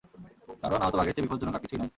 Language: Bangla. কারণ আহত বাঘের চেয়ে বিপজ্জনক আর কিছুই নয়।